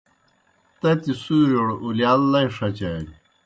تتیْ سُورِیؤڑ اُلِیال لئی ݜچانیْ۔